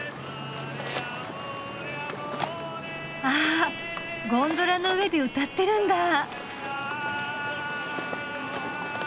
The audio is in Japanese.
あゴンドラの上で歌ってるんだ。